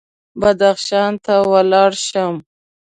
بدخشان ته ولاړ شم.